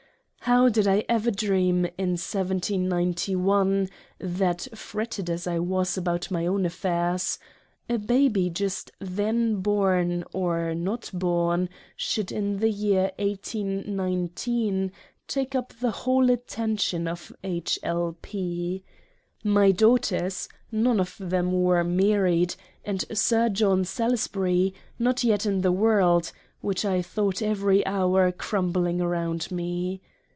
How did I ever dream — in 1791 — that fretted as I was about my own affairs; a Baby just then born — or — not born, should in the year 1819 take up the whole attention of H. L. P. — My Daughters, none of them were married, — and Sir John Salus bury, not yet in the world ; which I thought every hour crumbling round me.